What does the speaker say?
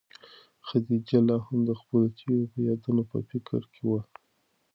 خدیجه لا هم د خپلو تېرو یادونو په فکر کې وه.